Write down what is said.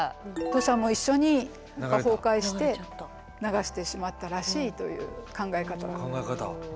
土砂も一緒に崩壊して流してしまったらしいという考え方。考え方。